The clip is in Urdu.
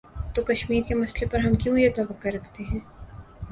تو کشمیر کے مسئلے پر ہم کیوں یہ توقع رکھتے ہیں۔